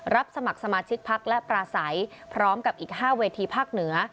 รับสมัครสมาชิกพักและปราศัยพร้อมกับอีก๕เวทีภาคเหนือ